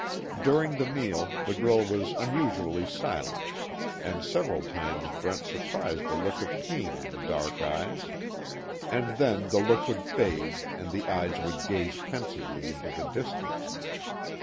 During the meal the girl was unusually silent and several times Brent surprised a look of pain in the dark eyes, and then the look would fade and the eyes would gaze pensively into the distance.